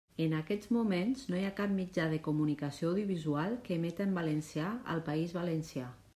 En aquests moments, no hi ha cap mitjà de comunicació audiovisual que emeta en valencià al País Valencià.